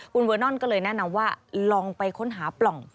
คุณเวอร์นอนก็เลยแนะนำว่าลองไปค้นหาปล่อง